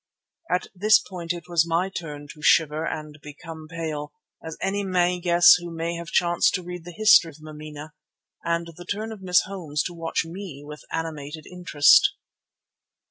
At this point it was my turn to shiver and become pale, as any may guess who may have chanced to read the history of Mameena, and the turn of Miss Holmes to watch me with animated interest.